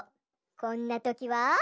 こんなときは。